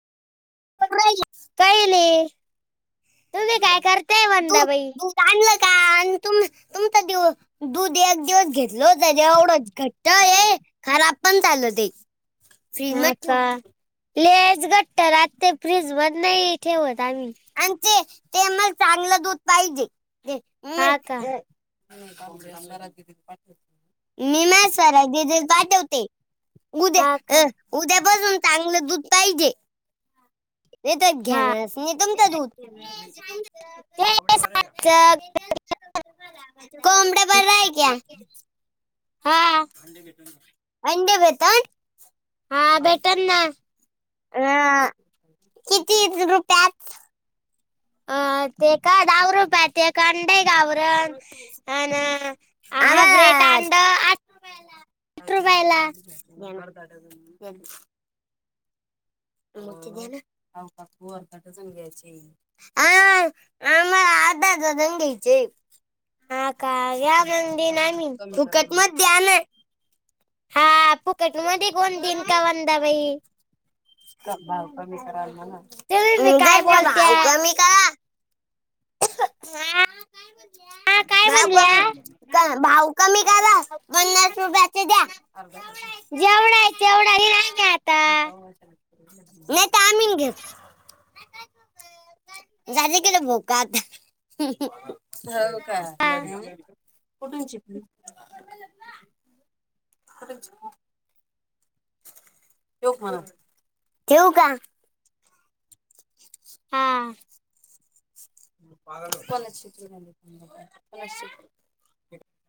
काही नाही तुम्ही काय करताय दूध वंदाबाई दूध आणलं का आणि तुम तुमचा दिवस दूध एक दिवस घेत घल त्याच्या एवढंच घट्ट ये खराब पण झालं ते फ्रीज मध्ये ठेवून लेच घट्ट आात ते फ्रीज मध नाही ठेवत आम्ही आणि ते ते मग चांगलं दूध पाहिजे हा का ह [unintelligible] मी माझ सरा पाठवते हा का उद्या उद्या बसून [unintelligible] चांगलं दूध पाहिजे ते तरच हा घेनारच तुम [unintelligible] कोंबड्या बरवाय क्या हा अंडे वेता हा भेटन ना अ किती रुपयात? अ ते काय दावरवरप आहे ते का अंडे गावरण अ ना हाबरेड आंड अ चार पाच दि लकले आ काख अरकाट सगे अची.. हा आ म आधा द दजन घेयचे हा का या्या म्हण नाही. फुकट मत द्या ना हा फुकट मध्ये कोण दिन का वंदा बाई भाव कमी क म्ह तुम्ही बी उ काय बोलत्या भाऊ कमी करा. [unintelligible] हा काय का आपण म्हणल्या भाऊ कमी करा. पन्नास रुपयाचे द्या जेवढा आहे. तेवढाही नाही ना आता नाही तर आमीन घेत झाले गलं बक आता का हा कुठून शिकल खरंच ठेऊ का? हां.. लक्षितित..